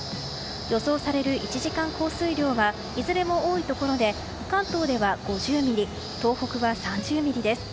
予想される１時間降水量はいずれも多いところで関東では５０ミリ東北は３０ミリです。